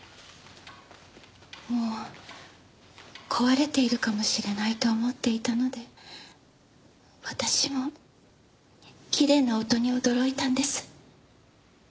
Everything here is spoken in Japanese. もう壊れているかもしれないと思っていたので私もきれいな音に驚いたんです。